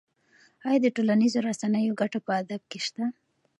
ایا د ټولنیزو رسنیو ګټه په ادب کې شته؟